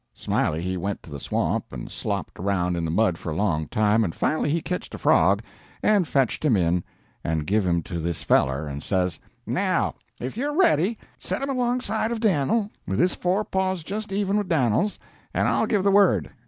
Smiley he went to the swamp and slopped around in the mud for a long time, and finally he ketched a frog, and fetched him in, and give him to this feller and says: "'Now, if you're ready, set him alongside of Dan'l, with his fore paws just even with Dan'l's, and I'll give the word.'